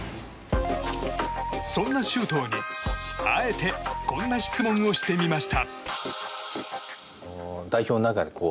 そんな周東に、あえてこんな質問をしてみました。